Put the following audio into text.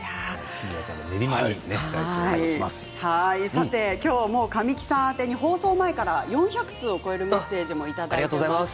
さて今日は神木さん宛てに放送前から４００通を超えるメッセージをいただいています。